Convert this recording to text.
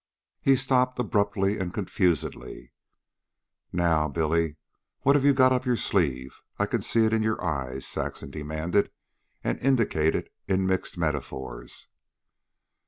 He stopped abruptly and confusedly. "Now, Billy, what have you got up your sleeve? I can see it in your eyes," Saxon demanded and indicted in mixed metaphors.